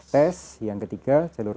tes yang ketiga jalur